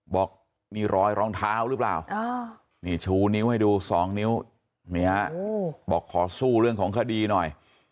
บอกมีรอยรองเท้าหรือเปล่านี่ชูนิ้วให้ดู๒นิ้วนี่ฮะบอกขอสู้เรื่องของคดีหน่อย